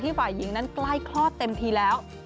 ฝ่ายหญิงนั้นใกล้คลอดเต็มทีแล้ว